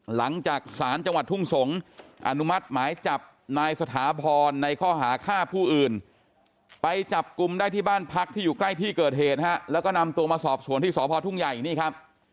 หลังจากสารจังหวัดทุ่งสงศ์อนุมัติหมายจับนายสถาพรในข้อหาฆ่าผู้อื่นไปจับกลุ่มได้ที่บ้านพักที่อยู่ใกล้ที่เกิดเหตุนะฮะแล้วก็นำตัวมาสอบสวนที่สพทุ่งใหญ่นี่ครับ